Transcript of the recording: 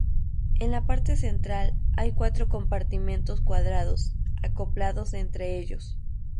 En la parte central hay cuatro compartimentos cuadrados, acoplados entre ellos.